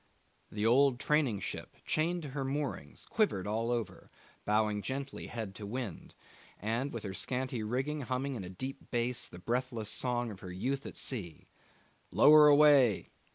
The old training ship chained to her moorings quivered all over, bowing gently head to wind, and with her scanty rigging humming in a deep bass the breathless song of her youth at sea. 'Lower away!